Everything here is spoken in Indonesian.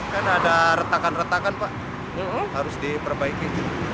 kan ada retakan retakan pak harus diperbaiki